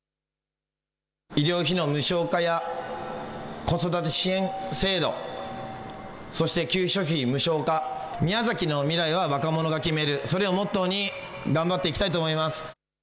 医療費の無償化や、子育て支援制度、そして給食費無償化、宮崎の未来は若者が決める、それをモットーに頑張っていきたいと思います。